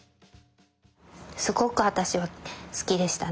すごく私は好きでしたね。